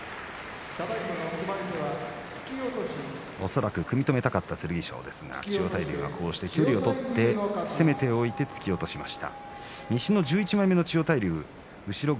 恐らく組み止めたかった剣翔ですが千代大龍が攻めておいての突き落としです。